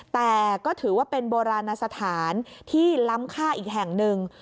แต่ก็ถือว่าเป็นโบราณสถานที่ล้ำค่าอีกแห่งหนึ่ง